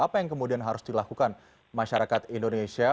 apa yang kemudian harus dilakukan masyarakat indonesia